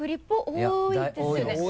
多いですね。